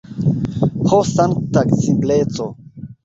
Ho sankta simpleco!